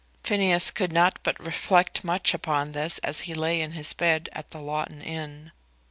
Phineas could not but reflect much upon this as he lay in his bed at the Loughton inn.